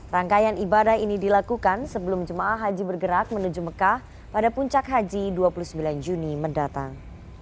rangkaian ibadah ini dilakukan sebelum jemaah haji bergerak menuju mekah pada puncak haji dua puluh sembilan juni mendatang